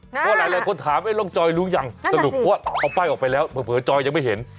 เพราะหลายคนถามร่องจอยรู้ยังสรุปเพราะว่าเอาป้ายออกไปแล้วเผลอจอยยังไม่เห็น